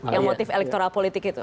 yang motif elektoral politik itu